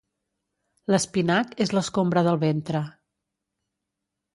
L'espinac és l'escombra del ventre.